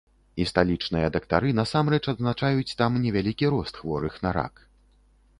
І сталічныя дактары насамрэч адзначаюць там невялікі рост хворых на рак.